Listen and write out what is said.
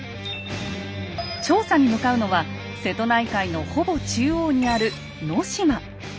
調査に向かうのは瀬戸内海のほぼ中央にある能島。